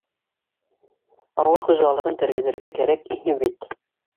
Халыҡ хужалығын тергеҙергә кәрәк пие бит